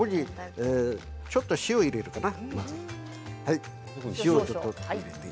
ちょっと塩を入れるかな。